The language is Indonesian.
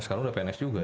sekarang udah pns juga ya